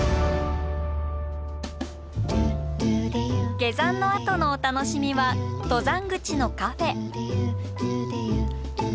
下山のあとのお楽しみは登山口のカフェ。